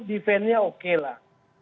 defannya oke lah